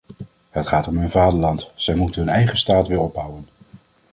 Het gaat om hun vaderland; zij moeten hun eigen staat weer opbouwen.